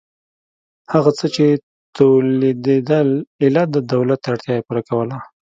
هغه څه چې تولیدېدل ایله د دولت اړتیا یې پوره کوله.